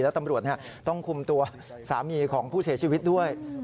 แล้วตำรวจต้องคุมตัวสามีของผู้เสียชีวิตด้วย